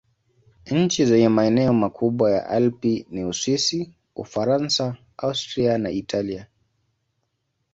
Nchi zenye maeneo makubwa ya Alpi ni Uswisi, Ufaransa, Austria na Italia.